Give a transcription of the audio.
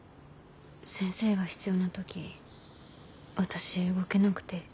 先生が必要な時私動けなくてだから。